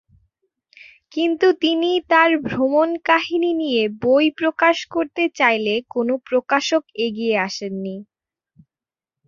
কিন্তু তিনি তার ভ্রমণকাহিনী নিয়ে বই প্রকাশ করতে চাইলে কোন প্রকাশক এগিয়ে আসেনি।